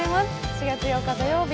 ４月８日土曜日